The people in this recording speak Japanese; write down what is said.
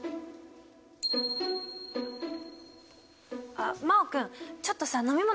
あ真旺君ちょっとさ飲み物